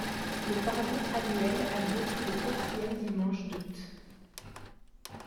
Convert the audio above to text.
Le pardon annuel a lieu tous les quatrièmes dimanche d'août.